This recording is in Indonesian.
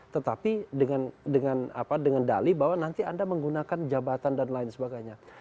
tetapi dengan dali bahwa nanti anda menggunakan jabatan dan lain sebagainya